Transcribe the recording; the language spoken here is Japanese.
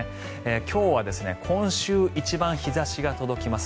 今日は今週一番日差しが届きます。